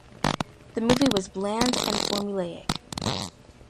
The movie was bland and formulaic.